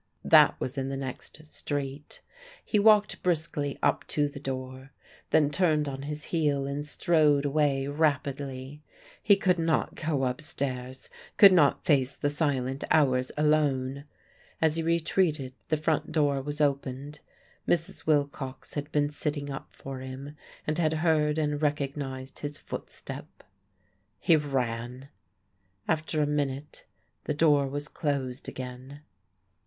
That was in the next street. He walked briskly up to the door then turned on his heel and strode away rapidly. He could not go upstairs; could not face the silent hours alone. As he retreated the front door was opened. Mrs. Wilcox had been sitting up for him, and had heard and recognised his footstep. He ran. After a minute the door was closed again.